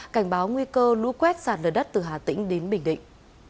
cảnh báo nguy cơ lũ quét sạt lở đất từ hà tĩnh đến bình định